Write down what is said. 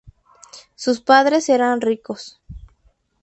Sus padres eran ricos.